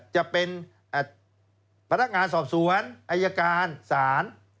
จะเป็นพนักงานสอบสวนอายการศาล